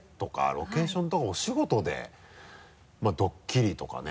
ロケーションとかお仕事でまぁドッキリとかね。